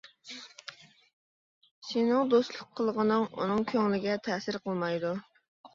سېنىڭ دوستلۇق قىلغىنىڭ ئۇنىڭ كۆڭلىگە تەسىر قىلمايدۇ.